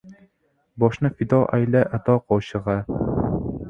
Boshni fido ayla ato qoshig‘a